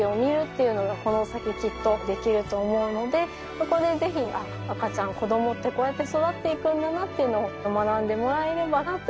そこで是非あっ赤ちゃん子供ってこうやって育っていくんだなっていうのを学んでもらえればなというふうに期待をしています。